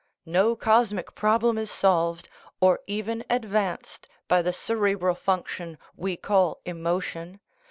No cosmic problem is solved, or even advanced, by the cere bral function we call emotion.